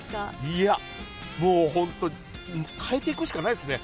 いや、もう本当、書いていくしかないですね。